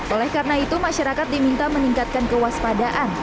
oleh karena itu masyarakat diminta meningkatkan kewaspadaan